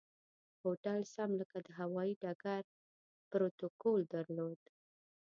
هوټل سم لکه د هوایي ډګر پروتوکول درلود.